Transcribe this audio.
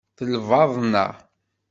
D lbaḍna.